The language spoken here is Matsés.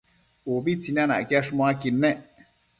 Ubi tsinanacquiash muaquid nec